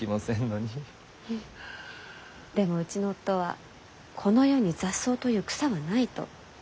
フッでもうちの夫は「この世に雑草という草はない」と。